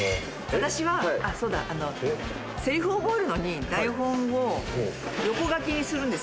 「私はせりふ覚えるのに台本を横書きにするんですよ